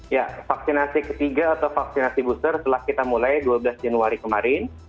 ya vaksinasi ketiga atau vaksinasi booster telah kita mulai dua belas januari kemarin